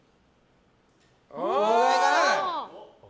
これくらいかな。